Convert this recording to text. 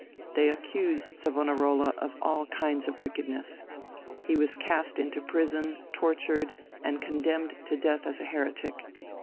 They accused Savonarola of all kinds of wickedness. He was cast into prison, tortured, and condemned to death as a heretic.